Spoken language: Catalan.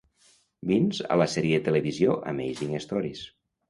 Beanes a la sèrie de televisió "Amazing Stories".